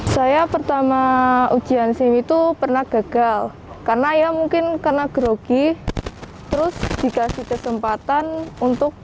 saya pertama ujian sim itu pernah gagal karena ya mungkin karena grogi terus dikasih kesempatan untuk